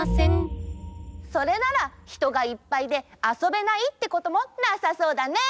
それならひとがいっぱいであそべないってこともなさそうだね！